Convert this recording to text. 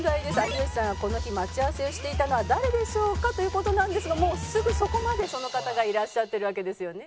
「有吉さんがこの日待ち合わせをしていたのは誰でしょうか？という事なんですがもうすぐそこまでその方がいらっしゃってるわけですよね」